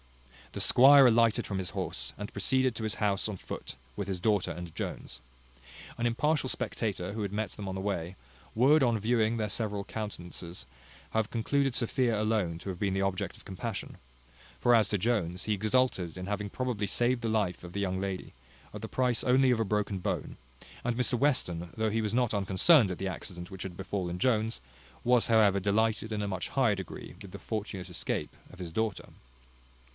The squire alighted from his horse, and proceeded to his house on foot, with his daughter and Jones. An impartial spectator, who had met them on the way, would, on viewing their several countenances, have concluded Sophia alone to have been the object of compassion: for as to Jones, he exulted in having probably saved the life of the young lady, at the price only of a broken bone; and Mr Western, though he was not unconcerned at the accident which had befallen Jones, was, however, delighted in a much higher degree with the fortunate escape of his daughter.